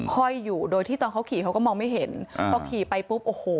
ห้อยอยู่โดยที่ตอนเขาขี่เขาก็มองไม่เห็นพอขี่ไปปุ๊บโอ้โห